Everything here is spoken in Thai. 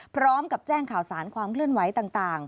พร้อมกับแจ้งข่าวสารความเคลื่อนไหวต่าง